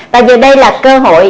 và giờ đây là cơ hội